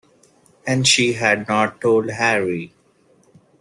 And she had not told Harry!